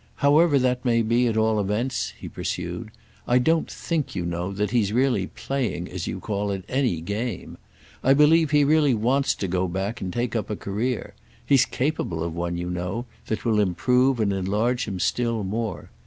However that may be at all events," he pursued, "I don't think, you know, that he's really playing, as you call it, any game. I believe he really wants to go back and take up a career. He's capable of one, you know, that will improve and enlarge him still more.